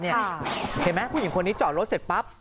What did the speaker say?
เห็นไหมผู้หญิงคนนี้จอดรถเสร็จปั๊บ